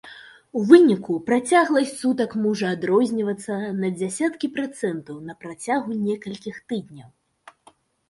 У выніку працягласць сутак можа адрознівацца на дзясяткі працэнтаў на працягу некалькіх тыдняў.